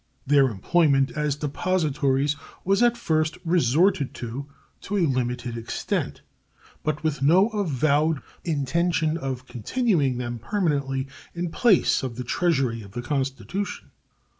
Their employment as depositories was at first resorted to to a limited extent, but with no avowed intention of continuing them permanently in place of the Treasury of the Constitution.